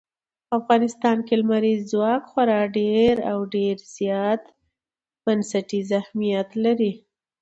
په افغانستان کې لمریز ځواک خورا ډېر او ډېر زیات بنسټیز اهمیت لري.